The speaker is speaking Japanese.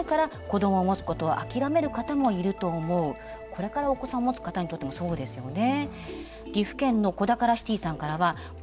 これからお子さん持つ方にとってもそうですよね。